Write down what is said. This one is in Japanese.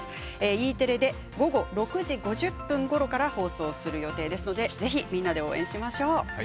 Ｅテレで午後６時５０分ごろから放送する予定ですのでぜひ、みんなで応援しましょう。